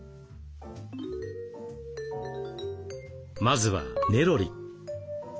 まずはネロリ。